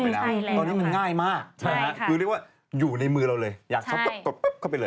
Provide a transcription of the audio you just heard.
ตอนนี้มันง่ายมากคือเรียกว่าอยู่ในมือเราเลยอยากช้อปปิ้งเข้าไปเลย